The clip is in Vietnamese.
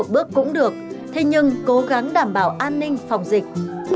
bước cũng được thế nhưng cố gắng đảm bảo an ninh phòng dịch